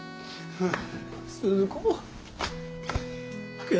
はあ？